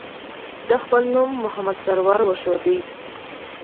ده خپل نوم محمد سرور وښوده.